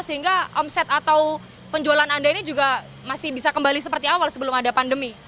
sehingga omset atau penjualan anda ini juga masih bisa kembali seperti awal sebelum ada pandemi